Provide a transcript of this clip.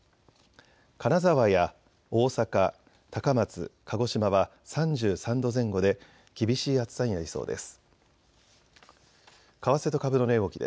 金沢や大阪、高松、鹿児島は３３度前後で厳しい暑さになりそうです。